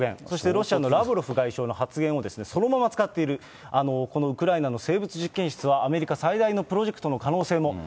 そして、ロシアのラブロフ外相の発言をそのまま使っている、このウクライナの生物実験室は、アメリカ最大のプロジェクトの可能性も。